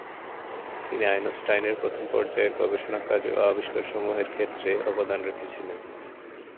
তিনি আইনস্টাইনের প্রথম পর্যায়ের গবেষণা কাজ ও আবিষ্কারসমূহের ক্ষেত্রে অবদান রেখেছিলেন।